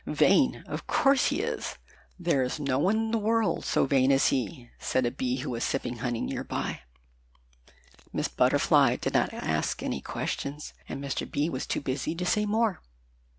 "Vain! Of course he is. There is no one in the world so vain as he," said a Bee, who was sipping honey near by. Miss Butterfly did not ask any questions, and Mr. Bee was too busy to say more.